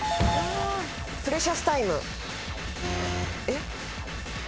プレシャスタイム。